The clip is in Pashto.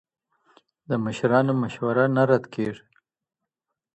د مشرانو مشوره نه رد کېږي.